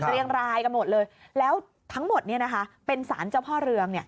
เรียงรายกันหมดเลยแล้วทั้งหมดเป็นสารเจ้าพ่อเรือง